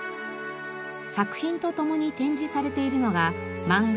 作品とともに展示されているのが漫画